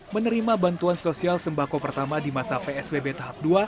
menerima bantuan sosial sembako pertama di masa psbb tahap dua